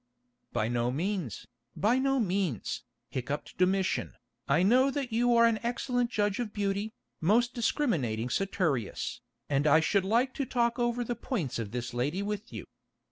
"By no means, by no means," hiccupped Domitian, "I know that you are an excellent judge of beauty, most discriminating Saturius, and I should like to talk over the points of this lady with you.